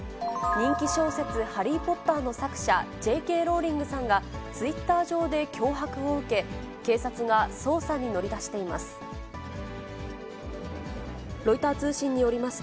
人気小説、ハリー・ポッターの作者、Ｊ．Ｋ．ローリングさんがツイッター上で脅迫を受け、警察が捜査に乗り出しています。